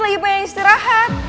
lagi pengen istirahat